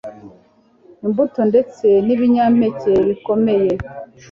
imbuto ndetse n'ibinyampeke bikomeye